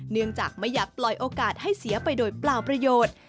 เนื่องจากไม่อยากปล่อยโอกาสให้เสียไปโดยเปล่าประโยชน์